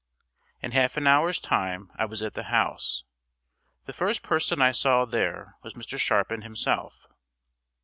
In half an hour's time I was at the house. The first person I saw there was Mr. Sharpin himself.